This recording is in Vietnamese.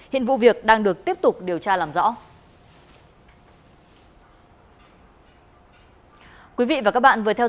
hiện vụ việc đang được tiếp tục điều tra làm rõ